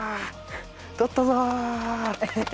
とったぞ。